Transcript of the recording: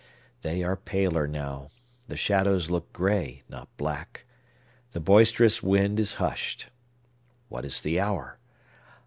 They are paler now; the shadows look gray, not black. The boisterous wind is hushed. What is the hour?